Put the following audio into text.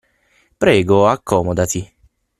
Prego, accomodati.